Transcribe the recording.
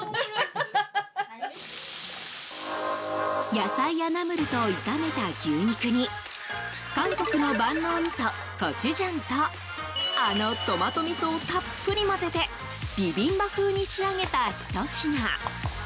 野菜やナムルと炒めた牛肉に韓国の万能みそ、コチュジャンとあのとまとみそをたっぷり混ぜてビビンバ風に仕上げたひと品。